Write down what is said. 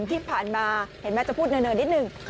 ที่ผ่านมาเห็นไหมจะพูดเนินนิดนึง